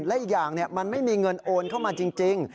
และอีกอย่างมันไม่มีเงินโอนเข้ามาจริง